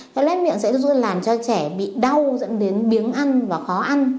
cái lở lét miệng sẽ làm cho trẻ bị đau dẫn đến biếng ăn và khó ăn